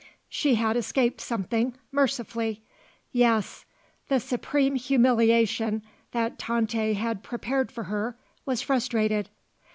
She had escaped something mercifully. Yes, the supreme humiliation that Tante had prepared for her was frustrated.